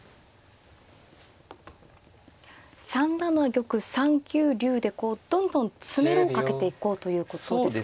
３七玉３九竜でどんどん詰めろをかけていこうということですか？